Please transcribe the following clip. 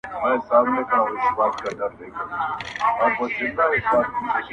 د پيشي چي لا نفس تنگ سي د زمري جنگ کوي.